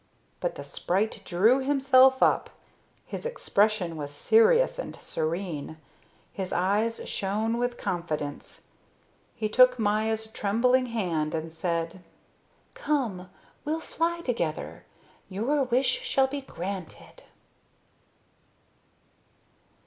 But the sprite drew himself up, his expression was serious and serene, his eyes shone with confidence. He took Maya's trembling hand and said: "Come. We'll fly together. Your wish shall be granted."